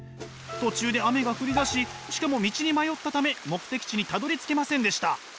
途中で雨が降りだししかも道に迷ったため目的地にたどりつけませんでした。